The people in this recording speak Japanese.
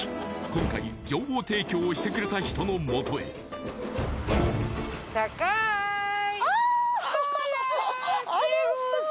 今回情報提供をしてくれた人のもとへあっ！